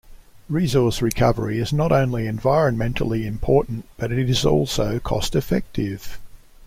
Resource recovery is not only environmentally important, but it is also cost-effective.